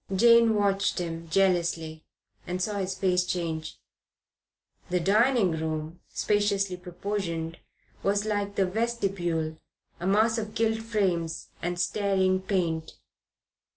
Jane watched him jealously and saw his face change. The dining room, spaciously proportioned, was, like the vestibule, a mass of gilt frames and staring paint.